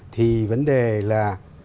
thì vấn đề là